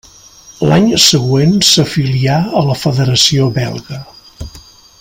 L'any següent s'afilià a la federació belga.